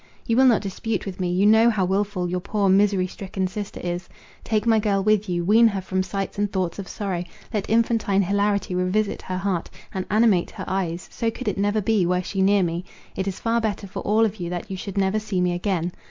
You will not dispute with me? You know how wilful your poor, misery stricken sister is. Take my girl with you; wean her from sights and thoughts of sorrow; let infantine hilarity revisit her heart, and animate her eyes; so could it never be, were she near me; it is far better for all of you that you should never see me again.